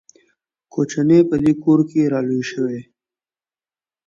کوچنی په دې کور کې را لوی شوی.